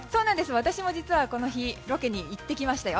私も実はこの日ロケに行ってきました。